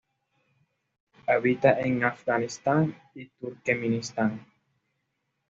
Habita en Afganistán y Turkmenistán.